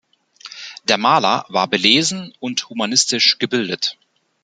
Der Maler war belesen und humanistisch gebildet.